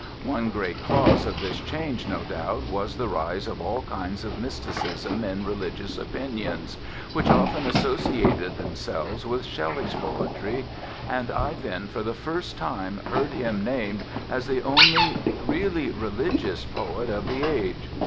One great cause of this change, no doubt, was the rise of all kinds of mysticism in religious opinions, which often associated themselves with Shelley's poetry, and I then for the first time heard him named as the only really religious poet of the age.